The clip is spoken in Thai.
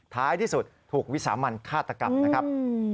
ท้ายที่สุดถูกวิสามันฆาตกรรมนะครับ